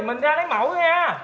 mình ra lấy mẫu nha